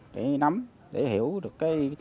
để nắm để hiểu được